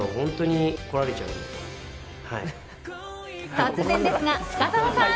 突然ですが、深澤さん。